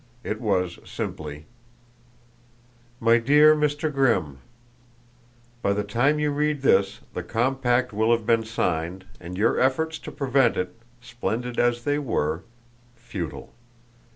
It was, simply: "My Dear Mr. Grimm: "By the time you read this the compact will have been signed, and your efforts to prevent it, splendid as they were, futile.